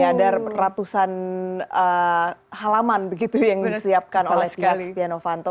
ada ratusan halaman begitu yang disiapkan oleh pihak setia novanto